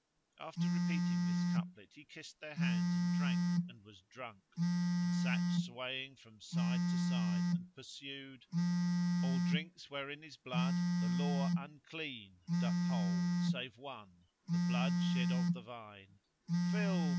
After repeating this couplet he kissed their hands and drank and was drunk and sat swaying from side to side and pursued:— "All drinks wherein is blood the Law unclean * Doth hold save one, the blood shed of the vine: Fill!